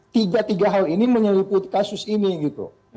tiga tiga hal ini menyeliputi kasus ini gitu